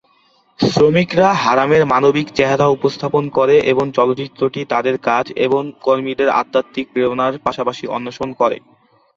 শ্রমিকরা হারামের মানবিক চেহারা উপস্থাপন করে এবং চলচ্চিত্রটি তাদের কাজ এবং কর্মীদের আধ্যাত্মিক প্রেরণার পাশাপাশি অন্বেষণ করে।